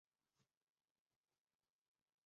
直萼虎耳草为虎耳草科虎耳草属下的一个种。